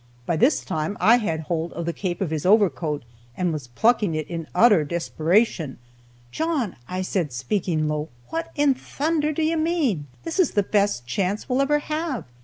By this time I had hold of the cape of his overcoat and was plucking it in utter desperation. 'John,' I said, speaking low, 'what in thunder do you mean? This is the best chance we'll ever have.'